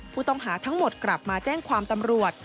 ผู้ต้องหาทั้งหมดกลับมาแจ้งความตำรวจ